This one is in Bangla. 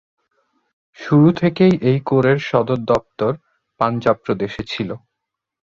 শুরু থেকেই এই কোরের সদর-দপ্তর পাঞ্জাব প্রদেশে ছিলো।